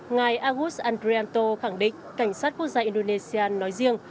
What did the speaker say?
ngài agus andreanto khẳng định cảnh sát quốc gia indonesia nói riêng